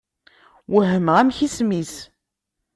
Wehmeɣ amek isem-is.